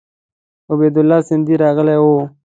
عبیدالله سیندهی راغلی وو.